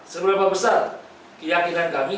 seberapa besar keyakinan kami